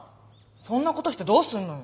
そんな事してどうすんのよ？